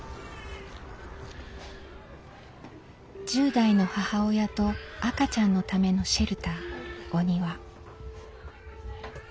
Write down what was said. １０代の母親と赤ちゃんのためのシェルター「おにわ」。